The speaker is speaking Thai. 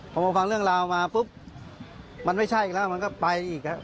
พอผมฟังเรื่องราวมาปุ๊บมันไม่ใช่อีกแล้วมันก็ไปอีก